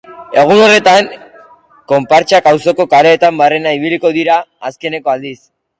Egun horretan, konpartsak auzoko kaleetan barrena ibiliko dira, azkeneko aldiz.